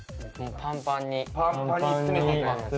パンパンに詰めていきます。